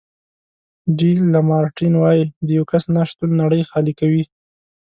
ډي لمارټین وایي د یو کس نه شتون نړۍ خالي کوي.